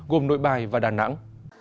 gồm nội bài và đà nẵng